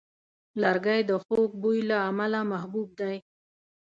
لرګی د خوږ بوی له امله محبوب دی.